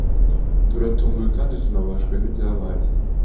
turatunguwe kandi tunababajwe nibyabaye